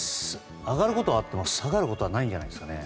上がることはあっても下がることはないんじゃないですかね。